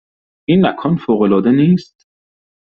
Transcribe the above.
این مکان فوق العاده نیست؟